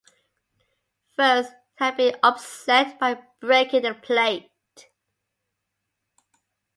First he had been upset by breaking the plate.